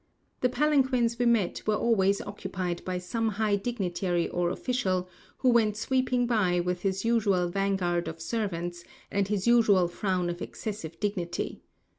The palanquins we met were always occupied by some high dignitary or official, who went sweeping by with his usual vanguard of servants, and his usual frown of excessive dignity.